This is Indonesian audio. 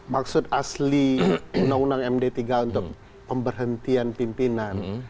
maksud asli undang undang md tiga untuk pemberhentian pimpinan